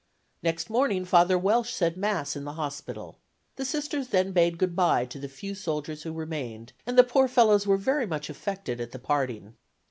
Next morning Father Welsh said Mass in the hospital. The Sisters then bade "good bye" to the few soldiers who remained, and the poor fellows were very much affected at the parting.